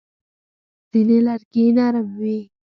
ځینې لرګي نرم وي.